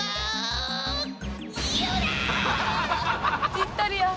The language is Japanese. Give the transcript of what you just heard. ぴったりや。